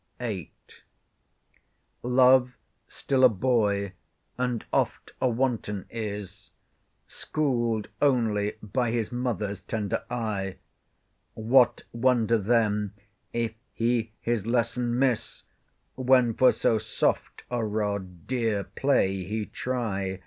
VIII Love still a boy, and oft a wanton, is, School'd only by his mother's tender eye; What wonder then, if he his lesson miss, When for so soft a rod dear play he try?